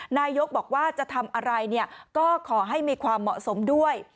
นายกบอกว่าจะทำอะไรก็ขอให้มีความเหมาะสมด้วย